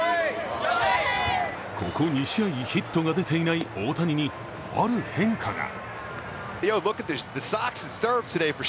ここ２試合、ヒットが出ていない大谷に、ある変化が。